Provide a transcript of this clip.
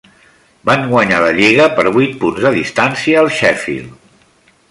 Van guanyar la lliga per vuit punts de distància al Sheffield.